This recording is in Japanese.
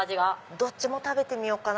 どっちも食べてみようかな。